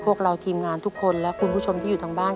พวกเราทีมงานทุกคนและคุณผู้ชมที่อยู่ทางบ้าน